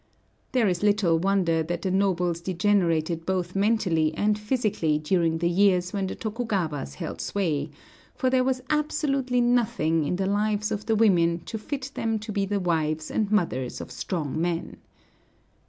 There is little wonder that the nobles degenerated both mentally and physically during the years when the Tokugawas held sway; for there was absolutely nothing in the lives of the women to fit them to be the wives and mothers of strong men.